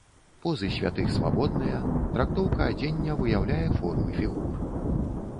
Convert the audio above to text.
Позы святых свабодныя, трактоўка адзення выяўляе формы фігур.